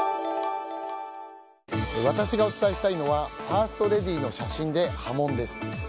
私がお伝えしたいのはファーストレディーの写真で波紋です。